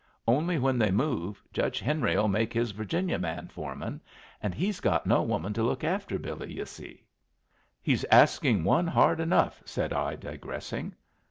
Only when they move, Judge Henry'll make his Virginia man foreman and he's got no woman to look after Billy, yu' see." "He's asking one hard enough," said I, digressing.